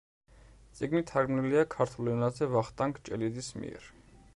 წიგნი თარგმნილია ქართულ ენაზე ვახტანგ ჭელიძის მიერ.